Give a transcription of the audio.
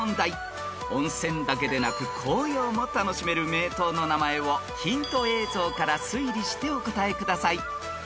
［温泉だけでなく紅葉も楽しめる名湯の名前をヒント映像から推理してお答えください］